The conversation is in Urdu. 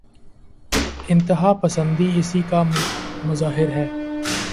انتہاپسندی اسی کا مظہر ہے۔